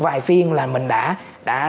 vài phiên là mình đã